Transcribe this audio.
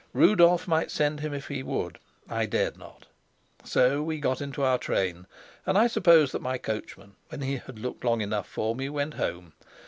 Rudolf might send him if he would; I dared not. So we got into our train, and I suppose that my coachman, when he had looked long enough for me, went home.